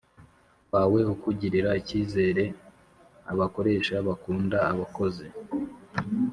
Wawe Akugirira Ikizere Abakoresha Bakunda Abakozi